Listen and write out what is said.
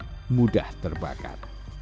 rumah warga mudah terbakar